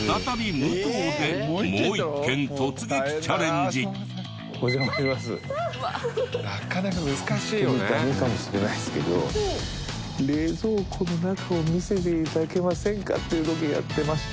ホントにダメかもしれないですけど冷蔵庫の中を見せて頂けませんか？っていうロケやってまして。